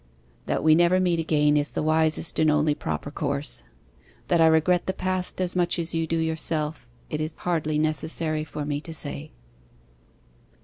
That we never meet again is the wisest and only proper course. That I regret the past as much as you do yourself, it is hardly necessary for me to say.